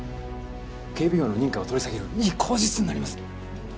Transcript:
警備業の認可を取り下げるいい口実になります。